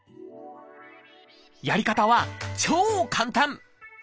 やり方は超簡単！